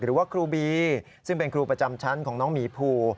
หรือว่าครูบีซึ่งเป็นครูประจำชั้นของน้องหมีภู